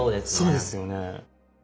そうですよね。